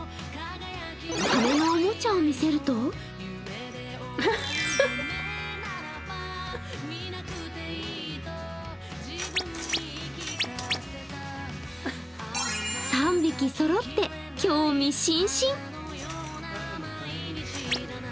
羽のおもちゃを見せると３匹そろって興味津々。